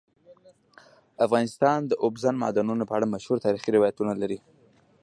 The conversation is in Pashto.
افغانستان د اوبزین معدنونه په اړه مشهور تاریخی روایتونه لري.